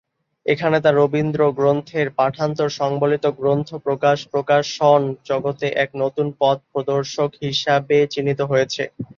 এখানে তার রবীন্দ্র গ্রন্থের পাঠান্তর সংবলিত গ্রন্থ-প্রকাশ প্রকাশন জগতে এক নূতন পথ প্রদর্শক হিসাবে চিহ্নিত হয়েছে।